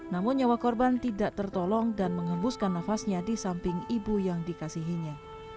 namun nyawa korban tidak tertolong dan mengembuskan nafasnya di samping ibu yang dikasihinya